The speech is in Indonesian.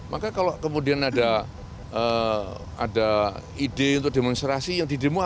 maka kalau kemudian ada ide untuk demonstrasi yang didemo